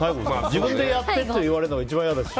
自分でやってって言われるのが一番嫌だし。